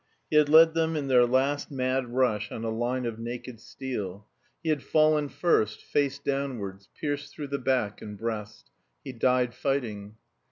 He had led them in their last mad rush on a line of naked steel; he had fallen first, face downwards, pierced through the back and breast. He died fighting.